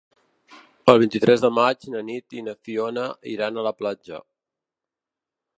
El vint-i-tres de maig na Nit i na Fiona iran a la platja.